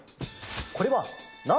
これはな